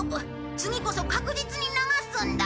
次こそ確実に流すんだ！